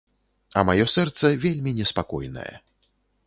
А маё сэрца вельмі неспакойнае.